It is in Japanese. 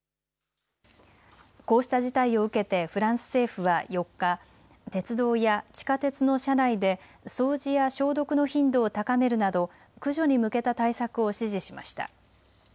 こうした事態を受けてフランス政府は４日、鉄道や地下鉄の車内で掃除や消毒の頻度を高めるなど駆除に向けた対策を指示しました。